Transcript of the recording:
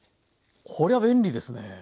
こりゃ便利ですね。